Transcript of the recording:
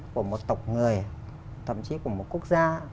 của một tộc người thậm chí của một quốc gia